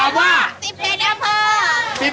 ตรงผมตอบไหม